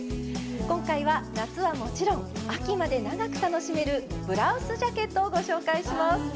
今回は夏はもちろん秋まで長く楽しめるブラウスジャケットをご紹介します。